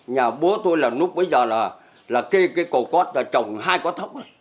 nhà bố tôi là lúc bấy giờ là kê cái cầu cốt và trồng hai có thốc